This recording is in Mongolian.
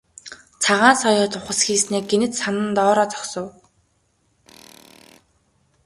Цагаан соёот ухасхийснээ гэнэт санан доороо зогсов.